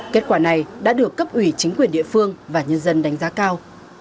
kết quả này đã được cấp ủy chính quyền địa phương và nhân dân đánh giá cao